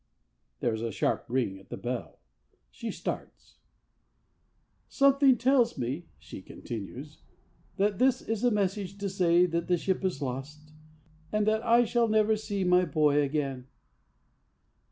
There is a sharp ring at the bell. She starts. 'Something tells me,' she continues, 'that this is a message to say that the ship is lost, and that I shall never see my boy again.'